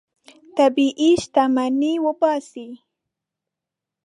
طبیعي شتمني وباسئ.